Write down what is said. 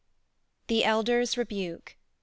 THE ELDER'S REBUKE.